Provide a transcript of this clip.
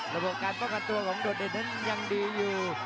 ระบบการป้องกันตัวของโดดเด่นนั้นยังดีอยู่